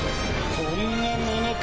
こんなものか？